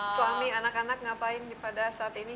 suami anak anak ngapain pada saat ini